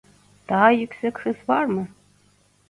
Daha yüksek hız var mı?